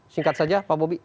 singkat saja pak bobi